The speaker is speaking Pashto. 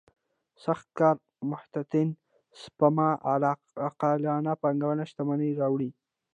سخت کار محتاطانه سپما عاقلانه پانګونه شتمني راوړي.